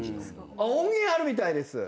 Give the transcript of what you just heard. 音源あるみたいです！